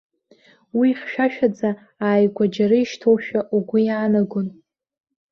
Уи хьшәашәаӡа, ааигәа џьара ишьҭоушәа угәы иаанагон.